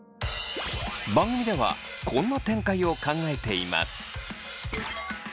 番組ではこんな展開を考えています。